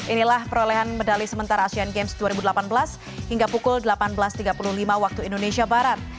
inilah perolehan medali sementara asian games dua ribu delapan belas hingga pukul delapan belas tiga puluh lima waktu indonesia barat